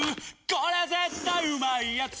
これ絶対うまいやつ」